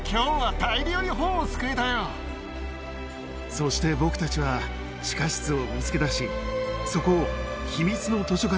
そして僕たちは地下室を見つけ出し。